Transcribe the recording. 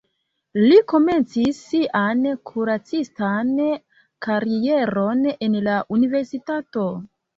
Li komencis sian kuracistan karieron en la universitato.